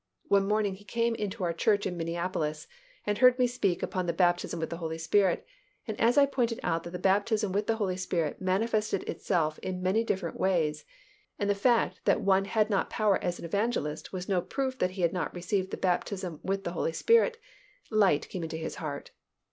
One morning he came into our church in Minneapolis and heard me speak upon the baptism with the Holy Spirit, and as I pointed out that the baptism with the Holy Spirit manifested itself in many different ways, and the fact that one had not power as an evangelist was no proof that he had not received the baptism with the Holy Spirit, light came into his heart.